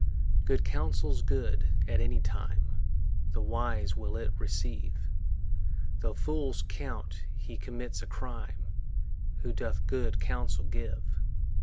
Good counsel's good at any time; The wise will it receive, Tho' fools count he commits a crime Who doth good counsel give.